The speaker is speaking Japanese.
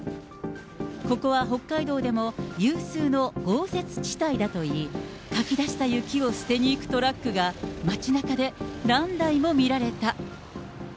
ここは北海道でも有数の豪雪地帯だといい、書きだした雪を捨てに行くトラックが、町なかで何台も見られた。